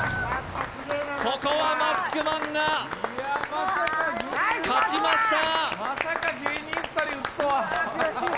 ここはマスクマンが勝ちました。